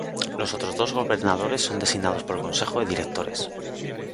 Los otros dos Gobernadores son designados por el consejo de Directores.